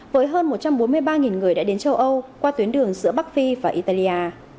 với hơn một trăm bốn mươi ba người đã đến châu âu qua tuyến đường giữa bắc phi và italia